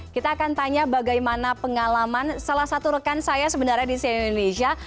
kita akan tanya bagaimana pengalaman salah satu rekan saya sebenarnya di sian indonesia